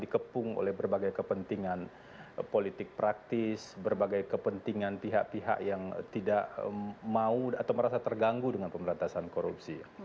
dikepung oleh berbagai kepentingan politik praktis berbagai kepentingan pihak pihak yang tidak mau atau merasa terganggu dengan pemberantasan korupsi